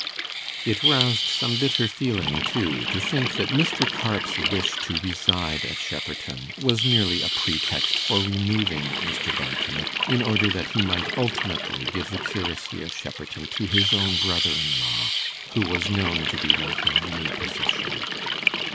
It roused some bitter feeling, too, to think that Mr. Carpe's wish to reside at Shepperton was merely a pretext for removing Mr. Barton, in order that he might ultimately give the curacy of Shepperton to his own brother in law, who was known to be wanting a new position.